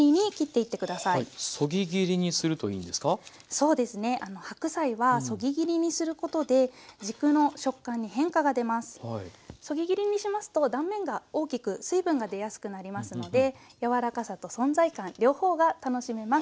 そぎ切りにしますと断面が大きく水分が出やすくなりますので柔らかさと存在感両方が楽しめます。